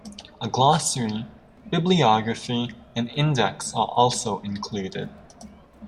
A glossary, bibliography, and index are also included.